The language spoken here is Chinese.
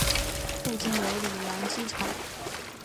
附近有里扬机场。